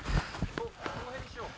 この辺にしよう。